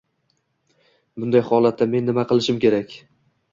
Bunday holatda men nima qilishim kerak?